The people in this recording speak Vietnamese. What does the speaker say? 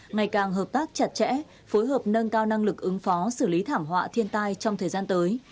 ngày càng hợp tác chặt chẽ phối hợp nâng cao năng lực ứng phó xử lý thảm họa thiên tai trong thời gian tới